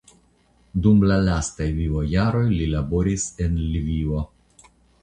Dum la lastaj vivojaroj li laboris en Lvivo.